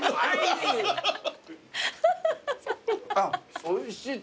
あっおいしい。